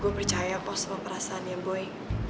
gue percaya pos sama perasaannya boy